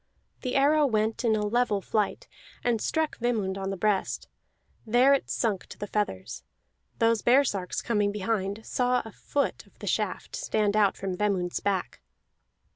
The arrow went in a level flight, and struck Vemund on the breast; there it sunk to the feathers. Those baresarks, coming behind, saw a foot of the shaft stand out from Vemund's back.